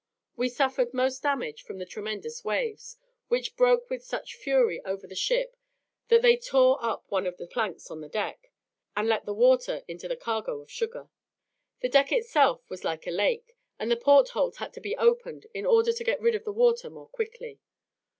We suffered most damage from the tremendous waves, which broke with such fury over the ship, that they tore up one of the planks of the deck, and let the water into the cargo of sugar. The deck itself was like a lake, and the portholes had to be opened in order to get rid of the water more quickly.